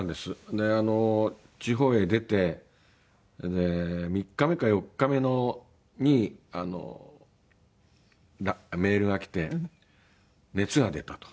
であの地方へ出て３日目か４日目にメールがきて「熱が出た」と。